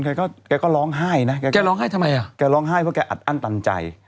แกก็แกก็ร้องไห้นะแกร้องไห้ทำไมอ่ะแกร้องไห้เพราะแกอัดอั้นตันใจ